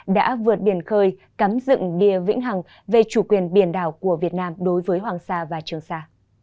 đã vượt biển khơi cắm dựng đìa vĩnh hằng về chủ quyền biển đảo của việt nam đối với hoàng sa và trường sa